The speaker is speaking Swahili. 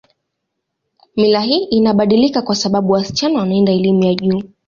Mila hii inabadilika kwa sababu wasichana wanaenda elimu ya juu